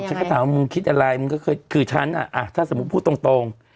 ฉันก็ถามว่ามึงคิดอะไรมึงก็คือฉันอ่ะถ้าสมมุติพูดตรง